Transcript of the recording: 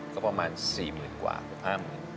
ก็ประมาณ๔หมื่นกว่าประมาณ๕หมื่นกว่า